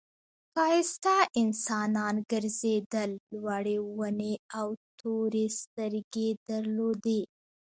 ښایسته انسانان گرځېدل لوړې ونې او تورې سترګې درلودې.